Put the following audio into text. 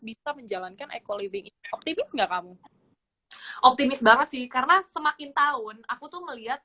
bisa menjalankan ekoliving optimis nggak kamu optimis banget sih karena semakin tahun aku tuh melihat